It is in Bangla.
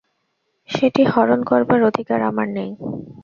সেটি হরণ করবার অধিকার আমার নেই।